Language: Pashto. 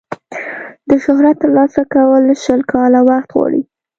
د شهرت ترلاسه کول شل کاله وخت غواړي.